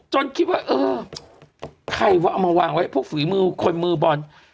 คิดว่าเออใครวะเอามาวางไว้พวกฝีมือคนมือบอล